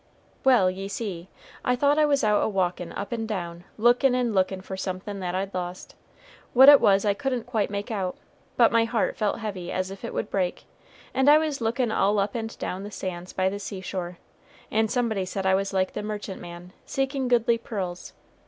"Well, ye see, I thought I was out a walkin' up and down, and lookin' and lookin' for something that I'd lost. What it was I couldn't quite make out, but my heart felt heavy as if it would break, and I was lookin' all up and down the sands by the seashore, and somebody said I was like the merchantman, seeking goodly pearls.